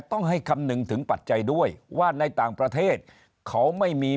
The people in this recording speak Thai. ต้องให้คำนึงถึงปัจจัยด้วยว่าในต่างประเทศเขาไม่มี